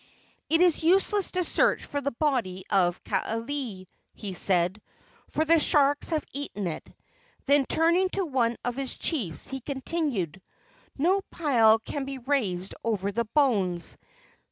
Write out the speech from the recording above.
"It is useless to search for the body of Kaaialii," he said, "for the sharks have eaten it." Then, turning to one of his chiefs, he continued: "No pile can be raised over his bones.